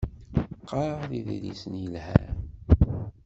Qqar idlisen yelhan.